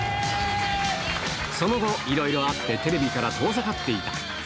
その後、いろいろあって、テレビから遠ざかっていた。